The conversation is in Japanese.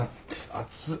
熱っ。